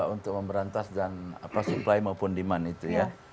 untuk memberantas dan supply maupun demand itu ya